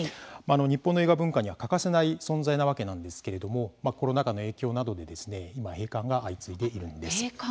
日本の映画文化には欠かせない存在なわけなんですけれどもコロナ禍の影響などで閉館が。